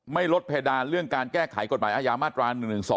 ลดเพดานเรื่องการแก้ไขกฎหมายอาญามาตรา๑๑๒